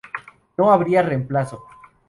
No habría reemplazo.